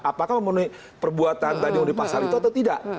apakah memenuhi perbuatan tadi memenuhi pasal itu atau tidak